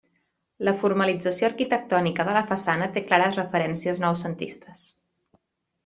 La formalització arquitectònica de la façana té clares referències noucentistes.